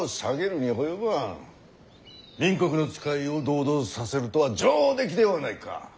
明国の使いを同道させるとは上出来ではないか。